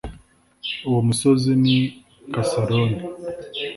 uwo musozi ni kasaloni